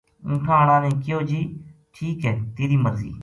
اونٹھاں ہاڑا نے کہیو جی ٹھیک ہے تیری مرضی